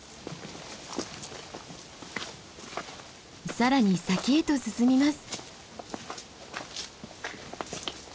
更に先へと進みます。